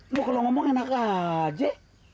loh kalau ngomong enak aja